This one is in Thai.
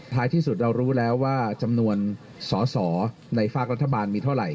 ที่สุดเรารู้แล้วว่าจำนวนสอสอในฝากรัฐบาลมีเท่าไหร่